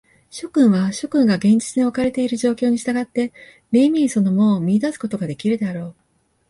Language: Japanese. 諸君は、諸君が現実におかれている状況に従って、めいめいその門を見出すことができるであろう。